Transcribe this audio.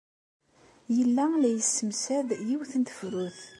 Yella la yessemsad yiwet n tefrut.